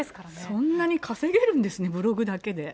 そんなに稼げるんですね、ブログだけで。